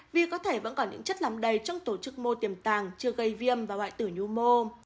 vì có thể vẫn còn những chất làm đầy trong tổ chức mô tiềm tàng chưa gây viêm và hoại tử nhu mô